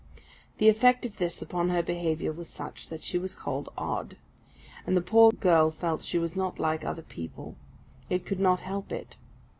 The effect of this upon her behaviour was such that she was called odd; and the poor girl felt she was not like other people, yet could not help it.